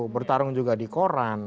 bertarung juga di koran